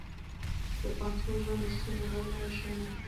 د پوهنتون ژوند د ستونزو حل لارې ښوونه کوي.